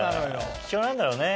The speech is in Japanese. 貴重なんだろうね。